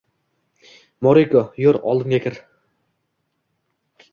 — Moriko, yur, oldimga kir!